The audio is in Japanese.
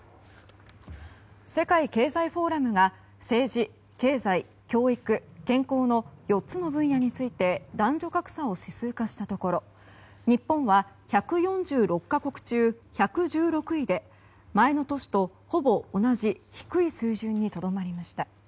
世界経済フォーラムが政治、経済、教育、健康の４つの分野について男女格差を指数化したところ日本は１４６か国中１１６位で前の年とほぼ同じ低い水準にとどまりました。